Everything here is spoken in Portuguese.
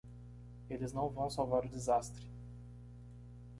Eles não vão salvar o desastre